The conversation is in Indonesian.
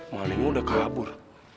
maling udah kabur